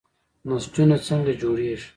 نسجونه څنګه جوړیږي؟